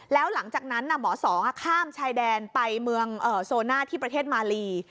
แล้วหลังจากนั้นหมอสองข้ามชายแดนไปเมืองโซน่าที่ประเทศมาลี